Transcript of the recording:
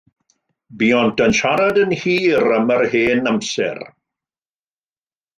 Buont yn siarad yn hir am yr hen amser.